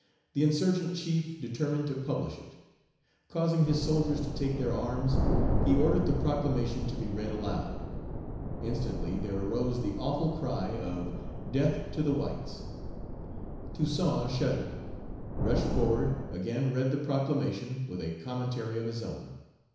The insurgent chief determined to publish it. Causing his soldiers to take their arms, he ordered the proclamation to be read aloud. Instantly there arose the awful cry of "Death to the whites." Toussaint shuddered, rushed forward, again read the proclamation, with a commentary of his own.